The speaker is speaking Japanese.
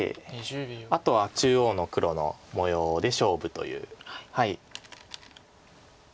あとは中央の黒の模様で勝負という。